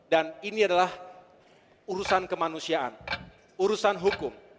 dan ini adalah urusan kemanusiaan urusan hukum